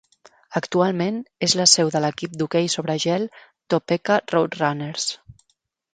Actualment, és la seu de l'equip d'hoquei sobre gel Topeka Roadrunners.